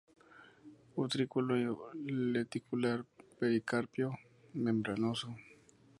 Utrículo lenticular; pericarpio membranoso.